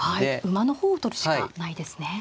馬の方を取るしかないですね。